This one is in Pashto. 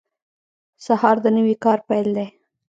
سهار د نوي کار پیل دی.